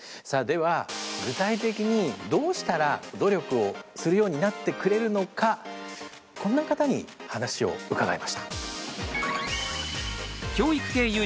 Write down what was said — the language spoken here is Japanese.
さあでは具体的にどうしたら努力をするようになってくれるのかこんな方に話を伺いました。